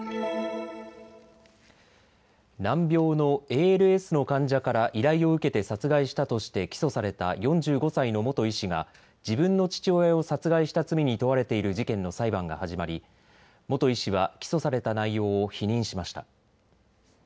難病のＡＬＳの患者から依頼を受けて殺害したとして起訴された４５歳の元医師が自分の父親を殺害した罪に問われている事件の裁判が始まり元医師は起訴された内容を否認しました。